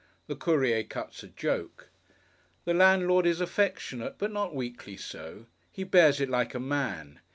The Courier cuts a joke. The landlord is affectionate, but not weakly so. He bears it like a man.